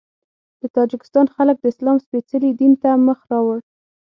د تاجکستان خلک د اسلام سپېڅلي دین ته مخ راوړ.